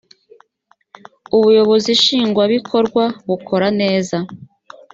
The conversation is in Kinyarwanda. ubuyobozi nshingwabikorwa bukora neza